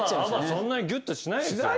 そんなにギュッとしない。